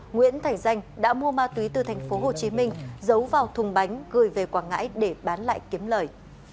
nguyễn thành danh đã mua ma túy từ tp hcm giấu vào thùng bánh gửi về quảng ngãi để bán lại kiếm lời